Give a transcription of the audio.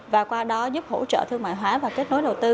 và qua đó giúp hỗ trợ thương mại hóa và kết nối đầu tư